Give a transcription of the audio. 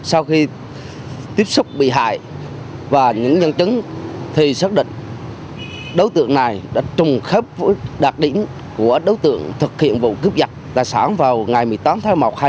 sau khi tiếp xúc bị hại và những nhân chứng thì xác định đối tượng này đã trùng khắp với đạt điểm của đối tượng thực hiện vụ cướp giật tài sản vào ngày một mươi tám tháng một hai nghìn một mươi sáu của một khách nước ngoài